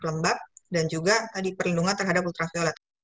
lembab dan juga diperlindungan terhadap ultraviolet